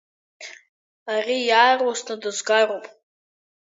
Ари иаарласны дызгароуп.